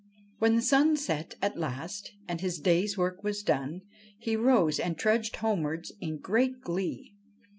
When the sun set at last and his day's work was done, he rose and trudged homewards in great glee.